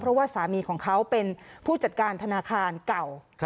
เพราะว่าสามีของเขาเป็นผู้จัดการธนาคารเก่า